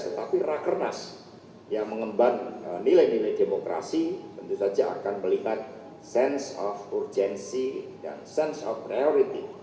tetapi rakernas yang mengemban nilai nilai demokrasi tentu saja akan melihat sense of urgency dan sense of reality